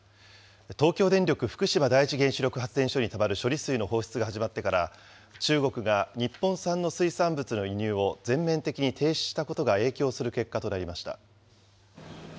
東京電力福島第一原子力発電所にたまる処理水の放出が始まってから、中国が日本産の水産物の輸入を全面的に停止したことが影響する結果となりました。